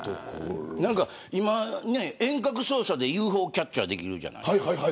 今、遠隔操作でＵＦＯキャッチャーできるじゃないですか。